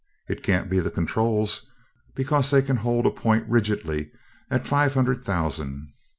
It can't be the controls, because they can hold a point rigidly at five hundred thousand.